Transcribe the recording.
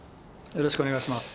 よろしくお願いします。